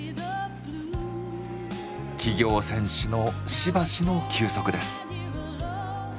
企業戦士のしばしの休息です。